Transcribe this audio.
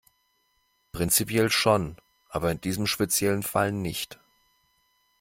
Prinzipiell schon, aber in diesem speziellen Fall nicht.